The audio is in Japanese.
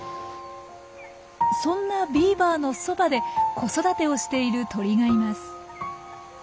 そんなビーバーのそばで子育てをしている鳥がいます。